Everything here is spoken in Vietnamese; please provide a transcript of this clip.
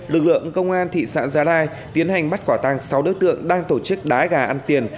lực lượng công an thị xã giá đai tiến hành bắt quả tăng sáu đối tượng đang tổ chức đá gà ăn tiền